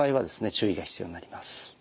注意が必要になります。